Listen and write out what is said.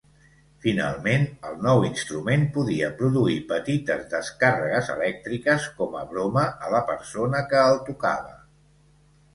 Finalment, el nou instrument podia produir petites descàrregues elèctriques com a broma a la persona que el tocava.